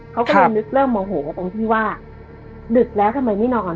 เขาก็เลยนึกเริ่มโมโหตรงที่ว่าดึกแล้วทำไมไม่นอน